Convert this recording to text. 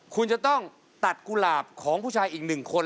คุณจะต้องตัดกุหลาบของผู้ชายอีกหนึ่งคน